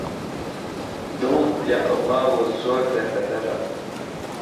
دڵ لێقەوماوه و زۆر دهر به دهره